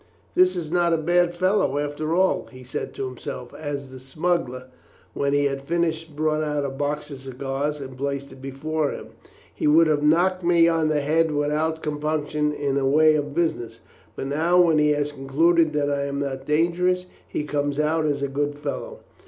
"This is not a bad fellow after all," he said to himself, as the smuggler, when he had finished, brought out a box of cigars and placed it before him. "He would have knocked me on the head without compunction, in the way of business; but now when he has concluded that I am not dangerous, he comes out as a good fellow."